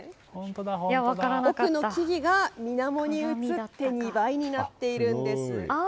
奥に見えるのが水面に映って２倍になっているんです。